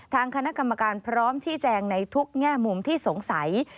ทางคณะกรรมการพร้อมชี้แจงในทุกแง่มุมที่สงสัย